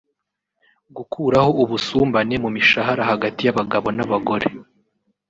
gukuraho ubusumbane mu mishahara hagati y’abagabo n’abagore